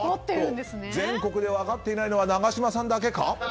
全国で分かっていないのは永島さんだけか？